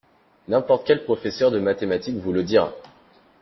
N’importe quel professeur de mathématiques vous le dira.